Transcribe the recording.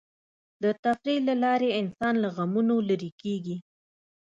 د تفریح له لارې انسان له غمونو لرې کېږي.